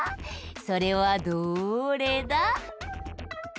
それはどれだ？